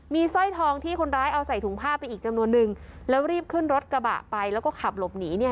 มีสร้อยทองที่คนร้ายเอาใส่ถุงผ้าไปอีกจำนวนนึงแล้วรีบขึ้นรถกระบะไปแล้วก็ขับหลบหนีเนี่ย